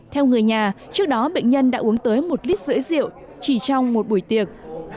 theo người nhà trước đó bệnh nhân đã uống tới một lít rưỡi rượu chỉ trong một buổi tiệc